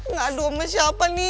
ngaduh sama siapa nih